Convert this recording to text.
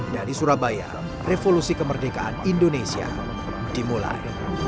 dari surabaya revolusi kemerdekaan indonesia dimulai